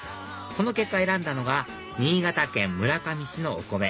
その結果選んだのが新潟県村上市のお米